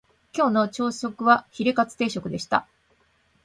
今日の朝食はヒレカツ定食でした